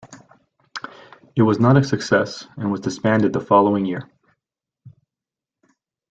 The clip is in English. It was not a success and was disbanded the following year.